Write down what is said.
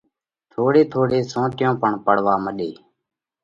ٿوڙي ٿوڙي سونٽيون پڻ پڙوا مڏي۔